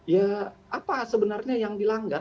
ya apa sebenarnya yang dilanggar